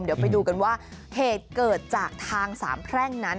เดี๋ยวไปดูกันว่าเหตุเกิดจากทางสามแพร่งนั้น